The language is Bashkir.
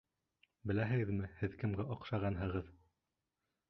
Беләһегеҙме, һеҙ кемгә оҡшағанһығыҙ?